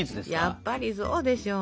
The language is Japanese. やっぱりそうでしょう！